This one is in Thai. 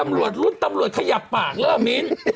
ตำรวจกระวุดขยับปากเหอะมิ้น